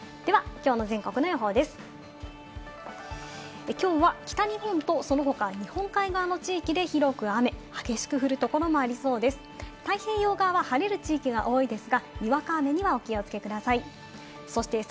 きょうは北日本と、その他、日本海側の地域で広く雨、激しく降るところもありそうです。